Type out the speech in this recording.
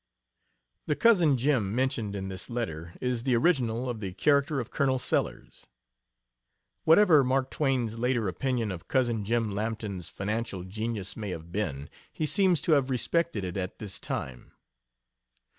The "Cousin Jim" mentioned in this letter is the original of the character of Colonel Sellers. Whatever Mark Twain's later opinion of Cousin Jim Lampton's financial genius may have been, he seems to have respected it at this time.